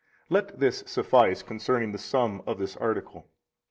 46 Let this suffice concerning the sum of this article.